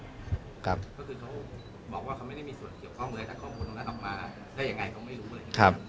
ก็คือเขาบอกว่าเขาไม่ได้มีส่วนเกี่ยวข้องเลยถ้าข้อมูลตรงนั้นออกมาได้ยังไงก็ไม่รู้เลย